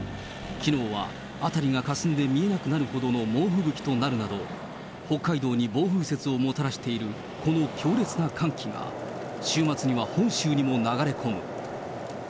きのうは辺りがかすんで見えなくなるほどの猛吹雪となるなど、北海道に暴風雪をもたらしているこの強烈な寒気が週末には本州にも流れ込む。